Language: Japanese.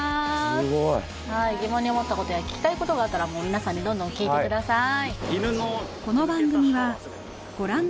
すごい疑問に思ったことや聞きたいことがあったら皆さんにどんどん聞いてください